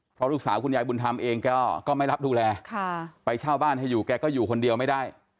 เพราะลูกสาวคุณยายบุญธรรมเองแกก็ไม่รับดูแลไปเช่าบ้านให้อยู่แกก็อยู่คนเดียวไม่ได้